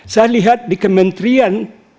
saya lihat di kementerian